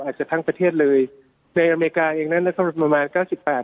อาจจะทั้งประเทศเลยในอเมริกาเองนั้นนะครับประมาณเก้าสิบแปด